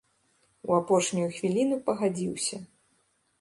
У апошнюю хвіліну пагадзіўся.